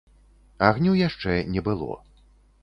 Агню яшчэ не было.